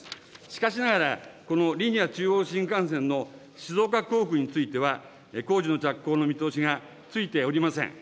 しかしながらこのリニア中央新幹線の静岡工区については、工事の着工の見通しがついておりません。